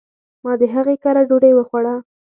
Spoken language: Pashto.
ما د هغي کره ډوډي وخوړه